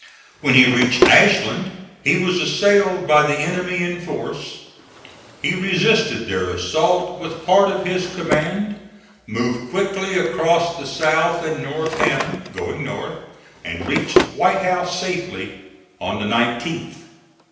When he reached Ashland he was assailed by the enemy in force. He resisted their assault with part of his command, moved quickly across the South and North Anna, going north, and reached White House safely on the 19th.